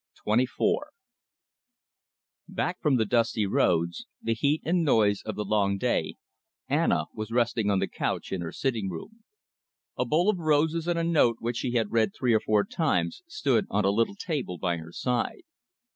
CHAPTER XXIV Back from the dusty roads, the heat and noise of the long day, Anna was resting on the couch in her sitting room. A bowl of roses and a note which she had read three or four times stood on a little table by her side.